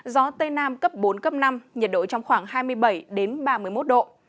gió tây nam cấp bốn cấp năm nhiệt độ trong khoảng hai mươi bảy ba mươi một độ